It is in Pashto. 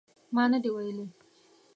ما نه دي ویلي